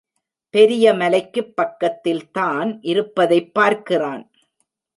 பெரிய மலைக்குப் பக்கத்தில் தான் இருப்பதைப் பார்க்கிறான்.